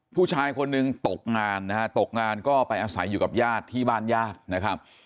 ผู้ชายคนหนึ่งตกงานนะฮะตกงานก็ไปอาศัยอยู่กับญาติที่บ้านญาตินะครับ